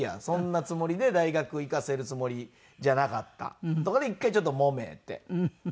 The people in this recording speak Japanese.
そんなつもりで大学行かせるつもりじゃなかったとかで一回ちょっともめて。